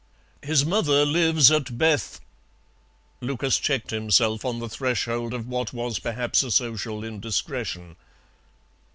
"His mother lives at Beth " Lucas checked himself on the threshold of what was perhaps a social indiscretion.